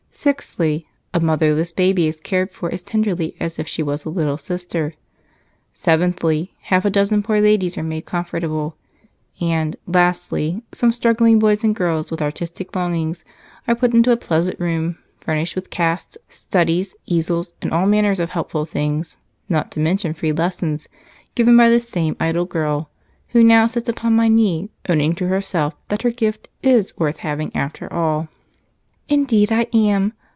Sixthly, a motherless baby is cared for as tenderly as if she were a little sister. Seventhly, half a dozen poor ladies made comfortable; and, lastly, some struggling boys and girls with artistic longings are put into a pleasant room furnished with casts, studies, easels, and all manner of helpful things, not to mention free lessons given by this same idle girl, who now sits upon my knee owning to herself that her gift is worth having after all." "Indeed, I am!